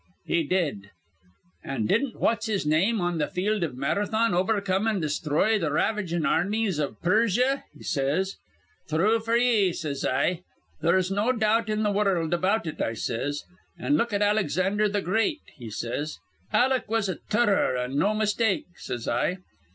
'He did.' 'An' didn't What's his name on th' field iv Marathon overcome an' desthroy th' ravagin' armies iv Persia?' he says. 'Thrue f'r ye,' says I. 'There's no doubt in th' wurruld about it,' I says. 'An' look at Alexander th' Great,' he says. 'Aleck was a turror, an' no mistake,' says I.